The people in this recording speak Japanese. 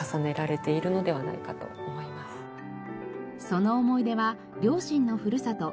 その思い出は両親のふるさと